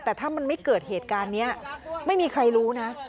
แต่ถ้ามันไม่เกิดเหตุการณ์นี้ไม่มีใครรู้นะ